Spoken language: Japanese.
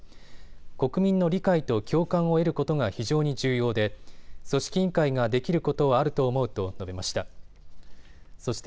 国民の理解と共感を得ることが非常に重要で組織委員会ができることはあると思うと述べました。